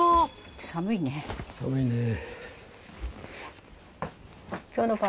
寒いねー。